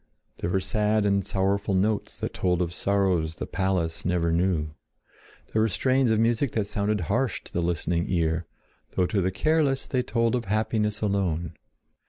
There were sad and sorrowful notes that told of sorrows the palace never knew. There were strains of music that sounded harsh to the listening ear, though to the careless they told of happiness alone.